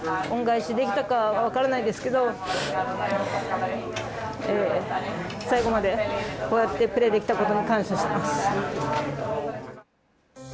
恩返しできたか分からないですけど最後まで、こうやってプレーできたことに感謝します。